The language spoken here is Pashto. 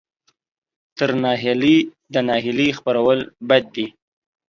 تر ناهیلۍ د ناهیلۍ خپرول بد دي.